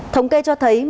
thống kê cho thấy